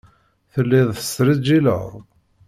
Telliḍ tesrejdileḍ.